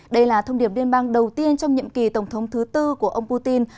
đây là thông điệp liên bang đầu tiên trong nhiệm kỳ tổng thống thứ tư của ông putin